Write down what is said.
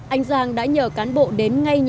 anh giang đã nhờ cán bộ đến ngay nhà